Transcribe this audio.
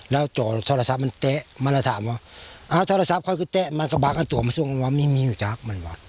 แล้วจอโทรศัพท์มันเต๋ะมันมาทำวะอ้าวโทรศัพท์ค่อยคือเต๋ะมันก็บอกอันตัวมันทรวงกันวะมิมีอยู่จากมันวะ